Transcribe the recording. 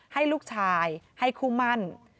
ให้ลูกชายให้คู่มั่น